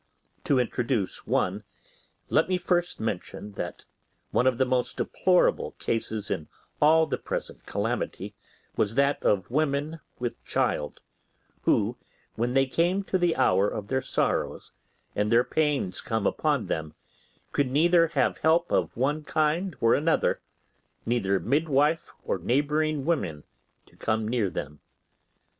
To introduce one, let me first mention that one of the most deplorable cases in all the present calamity was that of women with child, who, when they came to the hour of their sorrows, and their pains come upon them, could neither have help of one kind or another; neither midwife or neighbouring women to come near them.